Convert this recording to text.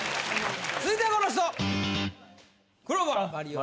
続いてはこの人。